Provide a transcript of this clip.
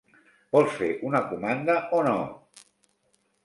Vols fer una comanda o no?